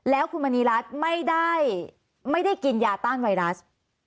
แล้วคุณมณีรัฐไม่ได้กินยาต้านไวรัส